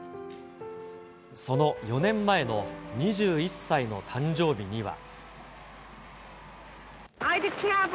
その４年前の２１歳の誕生日には。